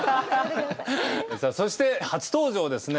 さあそして初登場ですね。